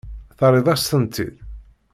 Terriḍ-as-tent-id?